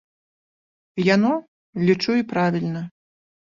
Яно, лічу і правільна.